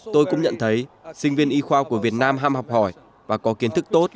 tôi cũng nhận thấy sinh viên y khoa của việt nam ham học hỏi và có kiến thức tốt